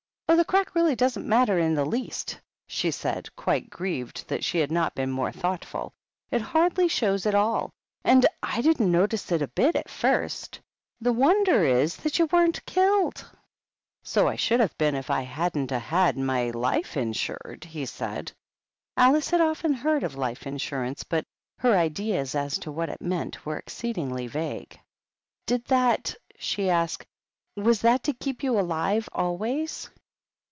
"Oh, the crack really doesn't matter in the least," she said, quite grieved that she had not been more thoughtful; "it hardly shows at all, and I didn't notice it a bit at first. The wonder is that you weren't killed." HUMPTY DUMPTY. 89 «" So I should have been if I hadn't 'a' had my life insured," he said. Alice had often heard of life insurance, but her ideas as to what it meant were exceedingly vague. " Did that —" she asked, " was that to keep you alive always?"